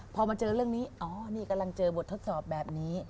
พอมาเจอเรื่องนี้อ๋อนี่กำลังเจอบททดสอบแบบนี้